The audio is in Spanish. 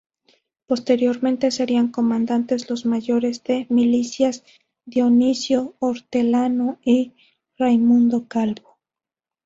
Posteriormente serían comandantes los mayores de milicias Dionisio Hortelano y Raimundo Calvo.